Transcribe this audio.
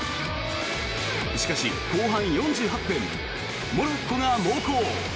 しかし、後半４８分モロッコが猛攻。